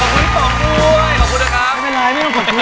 ขอบคุณพี่ป๋องด้วยขอบคุณครับ